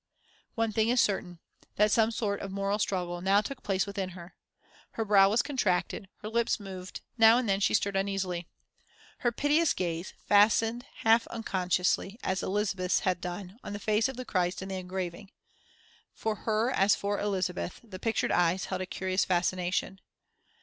One thing is certain, that some sort of moral struggle now took place within her. Her brow was contracted, her lips moved, now and then she stirred uneasily. Her piteous gaze fastened half unconsciously, as Elizabeth's had done, on the face of the Christ in the engraving. For her as for Elizabeth, the pictured eyes held a curious fascination.